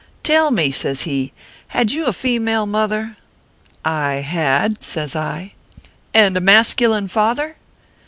" Tell me," says he, " had you a female mother ?"" I had/ says I. " And a masculine father